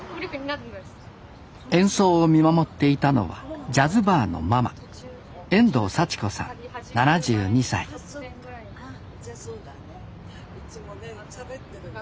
演奏を見守っていたのはジャズバーのママいつもねしゃべってるのね。